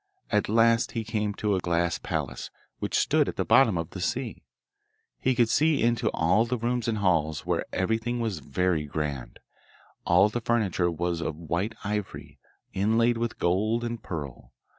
At last he came to a glass palace, which stood at the bottom of the sea. He could see into all the rooms and halls, where everything was very grand; all the furniture was of white ivory, inlaid with gold and pearl.